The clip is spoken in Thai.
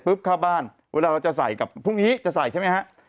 พรุ่งนี้จะใส่ใช่มั้ยฮะ